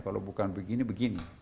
kalau bukan begini begini